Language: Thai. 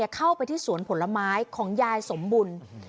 เข้าไปที่สวนผลไม้ของยายสมบุญ